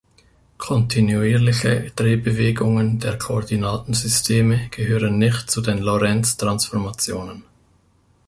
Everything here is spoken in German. Kontinuierliche Drehbewegungen der Koordinatensysteme gehören nicht zu den Lorentz-Transformationen.